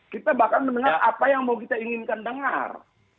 kita bahkan mendengar apa yang mau kita inginkan dengar